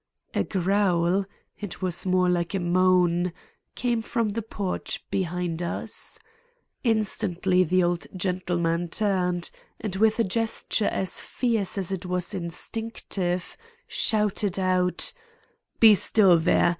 A growl—it was more like a moan—came from the porch behind us. Instantly the old gentleman turned and with a gesture as fierce as it was instinctive, shouted out: "Be still there!